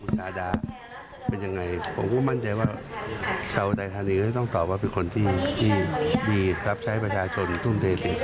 หรือว่าไม่ถูกต้องทำผลหมายเขาต้องเป็น